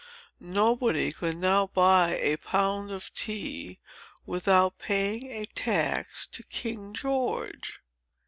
Nobody could now buy a pound of tea, without paying a tax to King George.